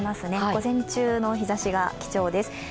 午前中の日ざしが貴重です。